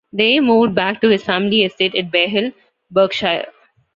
Day moved back to his family estate at Barehill, Berkshire.